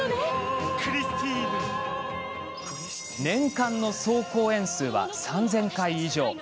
年間の総公演数は３０００回以上。